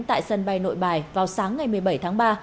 tại sân bay nội bài vào sáng ngày một mươi bảy tháng ba